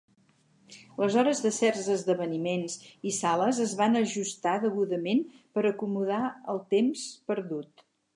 Les hores de certs esdeveniments i sales es van ajustar degudament per acomodar el temps perdut.